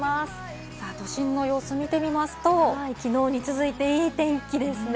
都心の様子を見てみますと、きのうに続いていい天気ですね。